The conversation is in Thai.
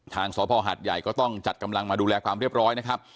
สภหัดใหญ่ก็ต้องจัดกำลังมาดูแลความเรียบร้อยนะครับ